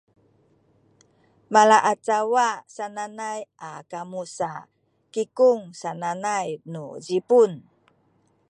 malaacawa sananay a kamu sa “kikung” sananay nu Zipun